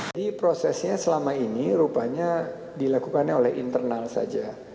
jadi prosesnya selama ini rupanya dilakukannya oleh internal saja